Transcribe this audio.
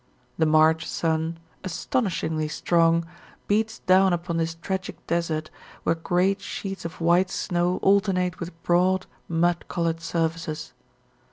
The March sun, astonishingly strong, beats down upon this tragic desert where great sheets of white snow alternate with broad, mud coloured surfaces.